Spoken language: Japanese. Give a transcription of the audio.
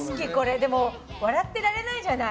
でも笑ってられないじゃない。